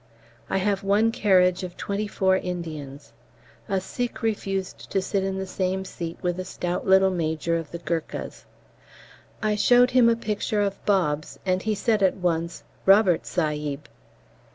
I have one carriage of twenty four Indians. A Sikh refused to sit in the same seat with a stout little major of the Gurkhas. I showed him a picture of Bobs, and he said at once, "Robert Sahib."